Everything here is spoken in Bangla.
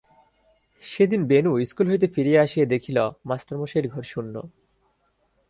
সেদিন বেণু ইস্কুল হইতে ফিরিয়া আসিয়া দেখিল, মাস্টারমশায়ের ঘর শূন্য।